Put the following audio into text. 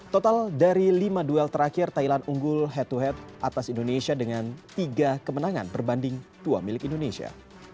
total dari lima duel terakhir thailand unggul head to head atas indonesia dengan tiga kemenangan berbanding dua milik indonesia